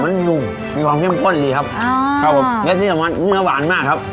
มันแม้หอมนี่อ๋อหอมแยงครับ